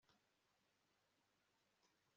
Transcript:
guha umuntu inkwenene kumuseka umunnyega